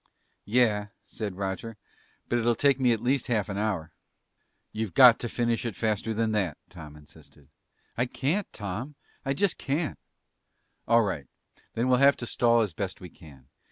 "Yeah," said Roger, "but it'll take me at least a half hour!" "You've got to finish it faster than that!" Tom insisted. "I can't, Tom. I just can't." "All right, then we'll have to stall as best we can.